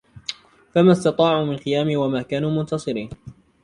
فَمَا اسْتَطَاعُوا مِنْ قِيَامٍ وَمَا كَانُوا مُنْتَصِرِينَ